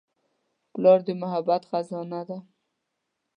پلار د محبت خزانه ده.